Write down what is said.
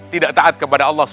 tidak taat kepada allah sw